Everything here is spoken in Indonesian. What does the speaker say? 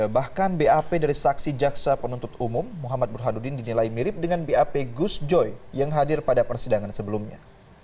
bahkan bap dari saksi jaksa penuntut umum muhammad burhanuddin dinilai mirip dengan bap gus joy yang hadir pada persidangan sebelumnya